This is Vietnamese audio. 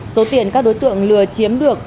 số tiền các đối tượng lừa chiếm được